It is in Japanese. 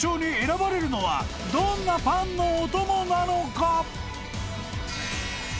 ［どんなパンのお供なのか］